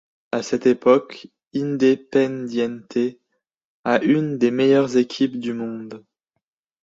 À cette époque, Independiente a une des meilleures équipes du monde.